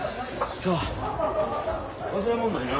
忘れもんないな？